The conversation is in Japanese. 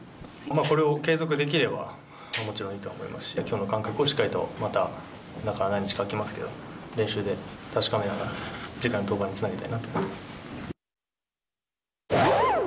これを継続できればもちろんいいと思いますし、きょうの感覚をしっかりとまた、中何日か空きますけど、練習で確かめながら、次回の登板につなげの！ど！